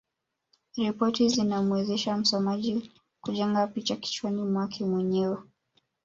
Ripoti zinamwezesha msomaji kujenga picha kichwani mwake mwenyewe